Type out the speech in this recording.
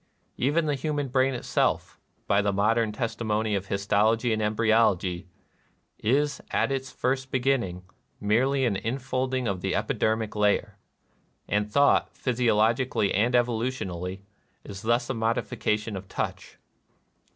Even the human brain itself, by the modern testimony of his tology and embryology, "is, at its first be ginning, merely an infolding of the epidermic layer;" and thought, physiologically and evo lutionally, is thus a modification of touch.